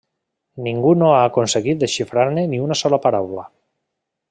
Ningú no ha aconseguit desxifrar-ne ni una sola paraula.